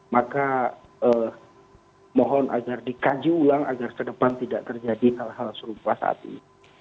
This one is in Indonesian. maka mohon agar dikaji ulang agar ke depan tidak terjadi hal hal serupa saat ini